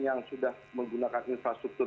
yang sudah menggunakan infrastruktur